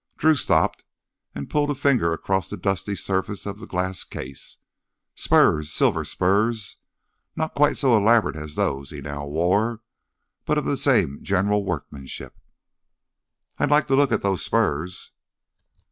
Drew stopped and pulled a finger across the dusty surface of the glass case. Spurs—silver spurs—not quite so elaborate as those he now wore, but of the same general workmanship. "I'd like to look at those spurs."